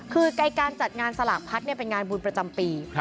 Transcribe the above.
คือการจัดงานสลากพัดเป็นงานบุญประจำปี